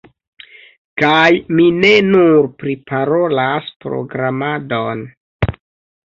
Kaj mi ne nur priparolas programadon